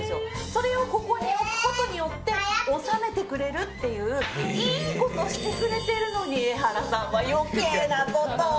それをここに置くことによって収めてくれるっていういいことをしてくれてるのにエハラさんは余計なことを。